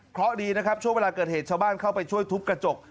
เพราะดีนะครับช่วงเวลาเกิดเหตุชาวบ้านเข้าไปช่วยทุบกระจก